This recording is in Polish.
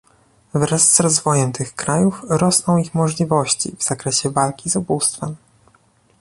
Wraz z rozwojem tych krajów rosną ich możliwości w zakresie walki z ubóstwem